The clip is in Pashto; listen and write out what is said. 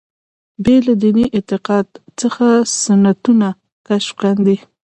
بې له دیني اعتقاد څخه سنتونه کشف کاندي.